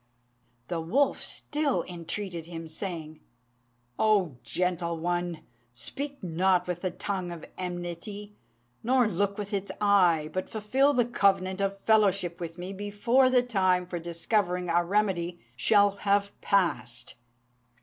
The wolf still entreated him, saying, "O gentle one! speak not with the tongue of enmity, nor look with its eye; but fulfil the covenant of fellowship with me before the time for discovering a remedy shall have passed.